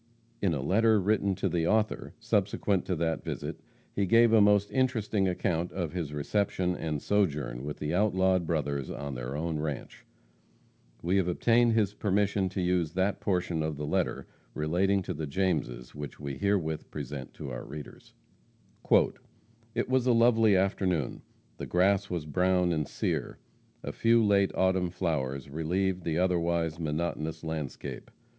In a letter written to the author, subsequent to that visit, he gave a most interesting account of his reception and sojourn with the outlawed brothers on their own ranche. We have obtained his permission to use that portion of the letter relating to the Jameses, which we herewith present to our readers: "It was a lovely afternoon. The grass was brown and sere. A few late autumn flowers relieved the otherwise monotonous landscape.